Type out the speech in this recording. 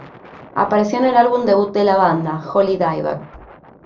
Apareció en el álbum debut de la banda: Holy Diver.